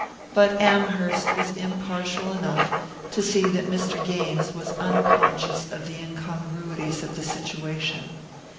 But Amherst was impartial enough to see that Mr. Gaines was unconscious of the incongruities of the situation.